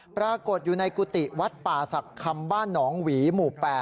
ปรากฏอยู่ในกุฏิวัดป่าศักดิ์คำบ้านหนองหวีหมู่๘